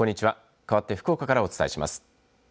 かわって福岡からお伝えします。